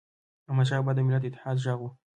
احمدشاه بابا د ملت د اتحاد ږغ و.